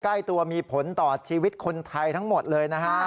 ใกล้ตัวมีผลต่อชีวิตคนไทยทั้งหมดเลยนะฮะ